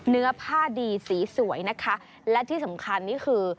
เนื้อผ้าดีสีสวยนะคะและที่สำคัญนี่คือ